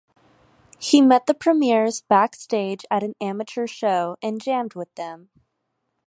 He met the "Premiers" backstage at an amateur show and "jammed" with them.